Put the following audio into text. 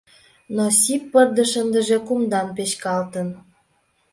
Но сип пырдыж ындыже кумдан печкалтын.